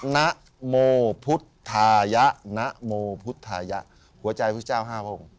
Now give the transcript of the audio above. นโมพุทธายะหัวใจพระพุทธเจ้าห้าพระบุคคล